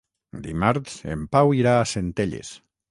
Dimarts en Pau irà a Centelles.